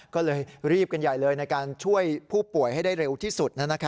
ก็เลยรีบกันใหญ่เลยในการช่วยผู้ป่วยให้ได้เร็วที่สุด